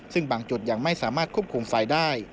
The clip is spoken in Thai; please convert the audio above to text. ซึ่งบางจุดยังไม่สามารถควบคุมไฟได้